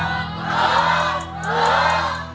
ตอบ